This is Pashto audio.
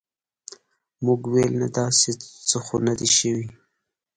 موږ ویل نه داسې څه خو نه دي شوي.